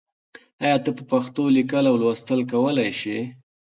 آیا ته په پښتو لیکل او لوستل کولای شې؟